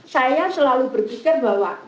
saya selalu berpikir bahwa